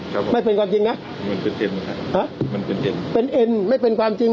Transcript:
ครับไม่เป็นความจริงนะมันเป็นเป็นเป็นเอ็นไม่เป็นความจริง